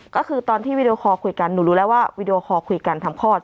ก็คือตอนที่วีดีโอคอลคุยกันหนูรู้แล้วว่าวีดีโอคอลคุยกันทำคลอด